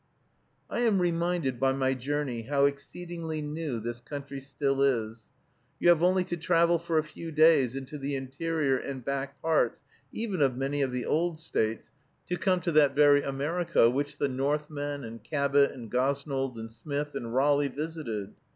I am reminded by my journey how exceedingly new this country still is. You have only to travel for a few days into the interior and back parts even of many of the old States, to come to that very America which the Northmen, and Cabot, and Gosnold, and Smith, and Raleigh visited.